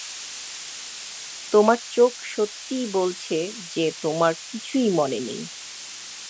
তোমার চোখ সত্যিই বলছে যে তোমার কিছুই মনে নেই।